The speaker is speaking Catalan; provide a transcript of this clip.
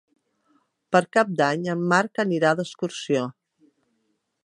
Per Cap d'Any en Marc anirà d'excursió.